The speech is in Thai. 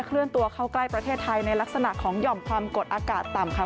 เลื่อนตัวเข้าใกล้ประเทศไทยในลักษณะของหย่อมความกดอากาศต่ำค่ะ